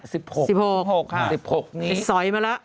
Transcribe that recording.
สิบหกหกค่ะสิบหกนี้สอยมาแล้ว